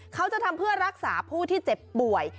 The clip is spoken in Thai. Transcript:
เขาจะทำเพื่อรักษาผู้ที่เจ็บป่วย